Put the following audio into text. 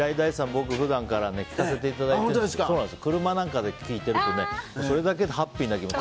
僕普段から聴かせていただいて車なんかで聴いてるとそれだけでハッピーな気持ち。